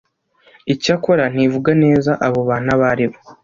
icyakora ntivuga neza abo bantu abo aribo